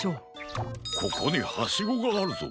ここにハシゴがあるぞ。